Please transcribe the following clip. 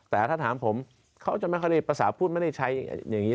แต่ถ้าถามผมเขาจะไม่ค่อยได้ภาษาพูดไม่ได้ใช้อย่างนี้